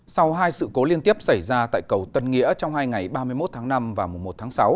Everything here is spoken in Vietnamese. sau hai sự cố liên tiếp xảy ra tại cầu tân nghĩa trong hai ngày ba mươi một tháng năm và một tháng sáu